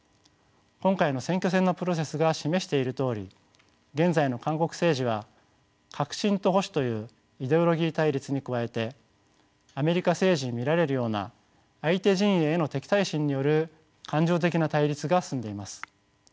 今回の選挙戦のプロセスが示しているとおり現在の韓国政治は革新と保守というイデオロギー対立に加えてアメリカ政治に見られるような相手陣営への敵対心による感情的な対立が進んでいます。